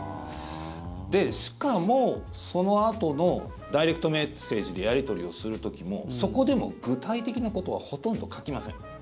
で、しかも、そのあとのダイレクトメッセージでやり取りをする時もそこでも具体的なことはほとんど書きません。